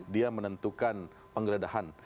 dia menentukan penggeledahan